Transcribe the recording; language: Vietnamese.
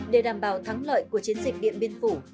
để đảm bảo thắng lợi của chiến dịch điện biên phủ